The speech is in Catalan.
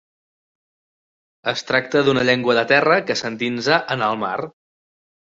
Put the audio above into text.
Es tracta d'una llengua de terra que s'endinsa en el mar.